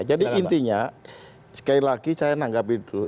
jadi intinya sekali lagi saya anggap dulu